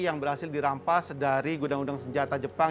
yang berhasil dirampas dari gudang gudang senjata jepang